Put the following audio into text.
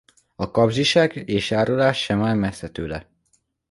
A kapzsiság és árulás sem áll messze tőle.